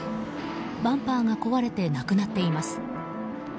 バンパーが壊れてなくなっています。